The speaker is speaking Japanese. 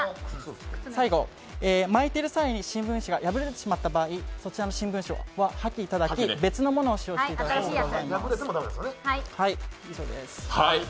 最後、巻いている際に新聞紙が破れてしまった場合、その新聞紙は破棄していただき別のものを使用していただきます。